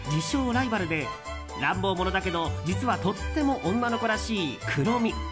ライバルで乱暴者だけど実はとっても女の子らしいクロミ。